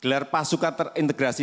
gelar pasukan terintegrasi